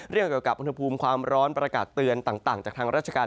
เกี่ยวกับอุณหภูมิความร้อนประกาศเตือนต่างจากทางราชการ